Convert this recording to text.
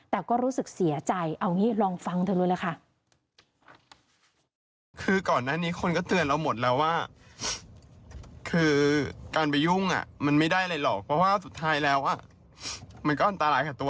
แต่ก็รู้สึกเสียใจเอางี้ลองฟังเธอรู้เลยค่ะ